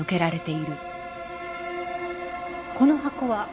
この箱は？